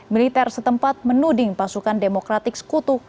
militer setempat menuding pasukan demokratik sekutu